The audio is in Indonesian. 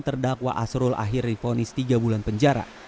terdakwa asrul akhir difonis tiga bulan penjara